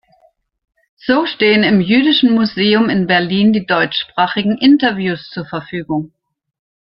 So stehen im jüdischen Museum in Berlin die deutschsprachigen Interviews zur Verfügung.